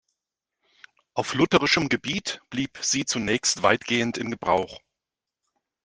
Auf lutherischem Gebiet blieb sie zunächst weitgehend in Gebrauch.